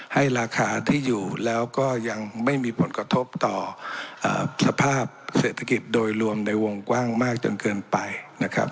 ให้ราคาที่อยู่แล้วก็ยังไม่มีผลกระทบต่อสภาพเศรษฐกิจโดยรวมในวงกว้างมากจนเกินไปนะครับ